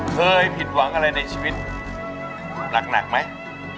เคยผิดหวังอะไรในชีวิตหนักหนักไหม